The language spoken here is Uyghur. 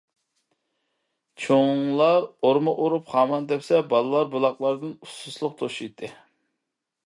چوڭلار ئورما ئورۇپ، خامان تەپسە، بالىلار بۇلاقلاردىن ئۇسسۇلۇق توشۇيتتى.